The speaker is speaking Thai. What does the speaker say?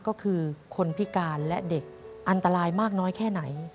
ก็คือคนพิการและเด็กอันตรายมากน้อยแค่ไหน